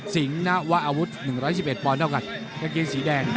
สิงห์นวธอาวุธ๑๑๑บอลเท่ากันก็กินสีแดง